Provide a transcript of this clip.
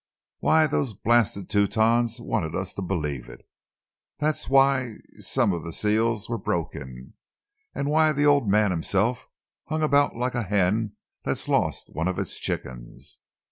Why, those blasted Teutons wanted us to believe it! That's why some of the seals were broken, and why the old man himself hung about like a hen that's lost one of its chickens.